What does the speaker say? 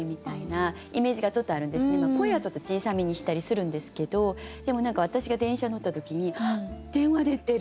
声はちょっと小さめにしたりするんですけどでも何か私が電車に乗った時に「電話出てる！」